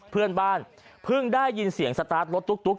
เพื่อนบ้านเพิ่งได้ยินเสียงสตาร์ทรถตุ๊ก